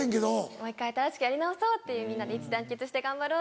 もう１回新しくやり直そうってみんなで一致団結して頑張ろう。